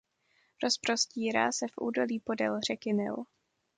Rozprostírá se v údolí podél řeky Nil.